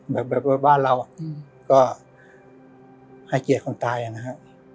แบบแบบบ้านเราก็ให้เขียกคนตายอย่างนี้ฮะ